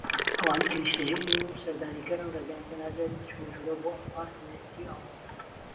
ئەوانەی کە نیشتەجی نین و سەردانیکەرن ڕێگەیان پێنادرێت بە چونەژورەوە بۆ ئەپارتمێنتی ئاڵۆز